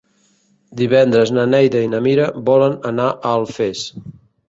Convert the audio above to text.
Divendres na Neida i na Mira volen anar a Alfés.